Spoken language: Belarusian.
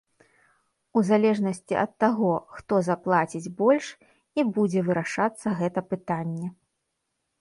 У залежнасці ад таго, хто заплаціць больш, і будзе вырашацца гэта пытанне.